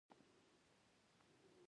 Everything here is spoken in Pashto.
دوستي خزانه ده.